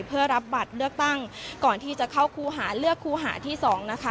เพื่อรับบัตรเลือกตั้งก่อนที่จะเข้าคู่หาเลือกคู่หาที่สองนะคะ